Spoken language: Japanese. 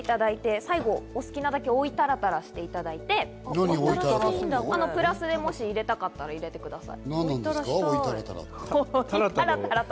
最後、お好きなだけ追いタラタラしていただいて、プラスで入れたかったら、また入れてください。